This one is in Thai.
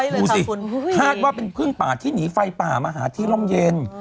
ดูสิคาดว่าเป็นพึ่งป่าที่หนีไฟป่ามาหาที่ร่มเย็น